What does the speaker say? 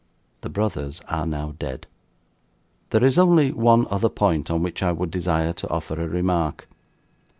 The Brothers are now dead. There is only one other point, on which I would desire to offer a remark.